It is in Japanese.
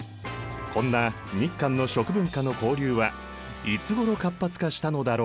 こんな日韓の食文化の交流はいつごろ活発化したのだろうか？